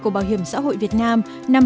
bảo hiểm xã hội việt nam